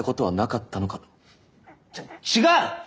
ち違う！